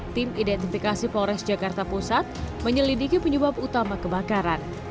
tim identifikasi polres jakarta pusat menyelidiki penyebab utama kebakaran